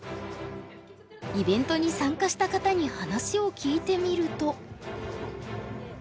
イベントに参加した方に話を聞いてみると。